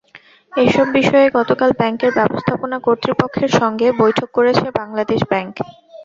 এসব বিষয়ে গতকাল ব্যাংকের ব্যবস্থাপনা কর্তৃপক্ষের সঙ্গে বৈঠক করেছে বাংলাদেশ ব্যাংক।